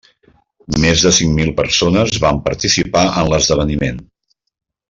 Més de cinc mil persones van participar en l'esdeveniment.